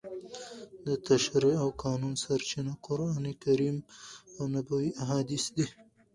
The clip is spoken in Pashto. د تشریع او قانون سرچینه قرانکریم او نبوي احادیث دي.